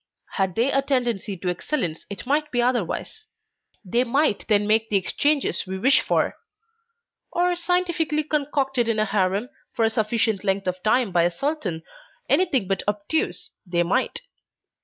Had they a tendency to excellence it might be otherwise; they might then make the exchanges we wish for; or scientifically concocted in a harem for a sufficient length of time by a sultan anything but obtuse, they might.